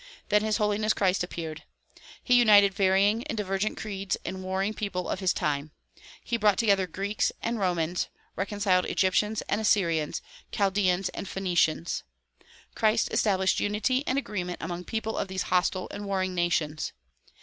Then His Holiness Christ appeared. He united varying and divergent creeds and warring people of his time. He brought together Greeks and Romans, reconciled Egyptians and Assyrians, Chaldeans and Phoenicians. Christ established unity and agreement among people of these hostile and warring nations.